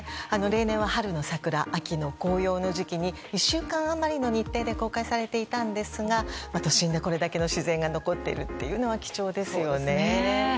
例年は春の桜秋の紅葉の時期に１週間余りの日程で公開されていたんですが都心で、これだけの自然が残っているというのは貴重ですよね。